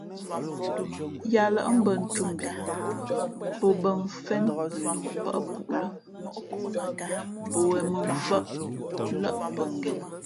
Yáá lάʼ mbᾱ ntūmbhi pō bᾱ mfén pʉnók pάʼ pú lh́ pō ghěn mᾱmfάʼ lάʼ pαngen.